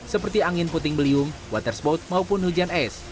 seperti angin puting beliung waterspot maupun hujan es